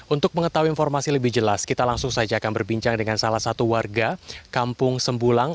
untuk mengetahui informasi lebih jelas kita langsung saja akan berbincang dengan salah satu warga kampung sembulang